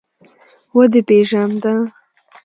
ودې پېژانده.